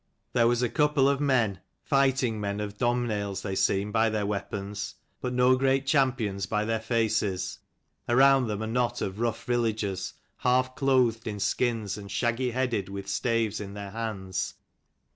There was a couple of men, fighting men of Domhnaill's they seemed by their weapons; but no great champions, by their faces. Around them a knot of rough villagers, half clothed in skins, and shaggy headed, with staves in their hands.